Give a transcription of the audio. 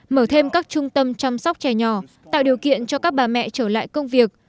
mở thêm các trung tâm chăm sóc trẻ nhỏ tạo điều kiện cho các bà mẹ trở lại công việc